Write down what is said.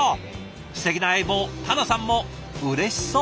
すてきな相棒田名さんもうれしそう。